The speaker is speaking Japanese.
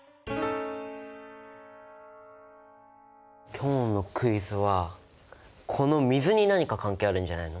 今日のクイズはこの水に何か関係あるんじゃないの？